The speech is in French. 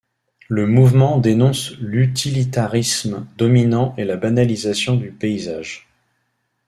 Le mouvement dénonce l'utilitarisme dominant et la banalisation du paysage.